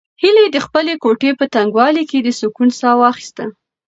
هیلې د خپلې کوټې په تنګوالي کې د سکون ساه واخیسته.